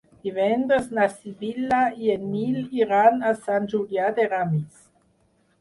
Divendres na Sibil·la i en Nil iran a Sant Julià de Ramis.